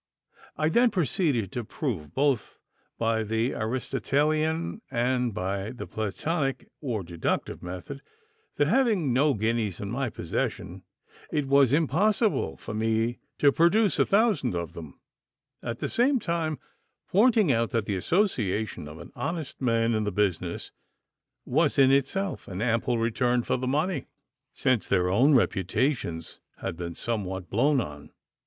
I then proceeded to prove, both by the Aristotelian and by the Platonic or deductive method, that having no guineas in my possession it was impossible for me to produce a thousand of them, at the same time pointing out that the association of an honest man in the business was in itself an ample return for the money, since their own reputations had been somewhat blown on.